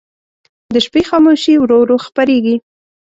د شپې خاموشي ورو ورو خپرېږي.